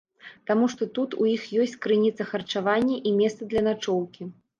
Таму што тут у іх ёсць крыніца харчавання і месца для начоўкі.